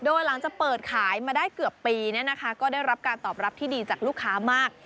โดยหลังจากเปิดขายมาได้เกือบปีก็ได้รับการตอบรับที่ดีจากลูกค้ามาก